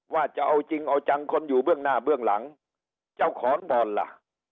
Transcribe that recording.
ว่าจะเอาจริงเอาจังคนอยู่เบื้องหน้าเบื้องหลังเจ้าขอนบ่อนล่ะ